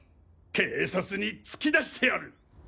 警察に突き出してやるっ！